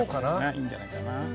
いいんじゃないかな。